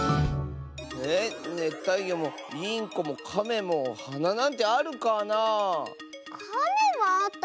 えねったいぎょもインコもカメもはななんてあるかなあ。